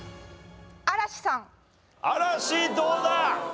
嵐どうだ？